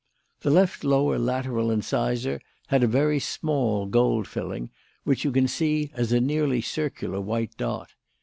The left lower lateral incisor had a very small gold filling, which you can see as a nearly circular white dot.